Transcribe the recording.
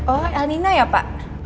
oh elnina ya pak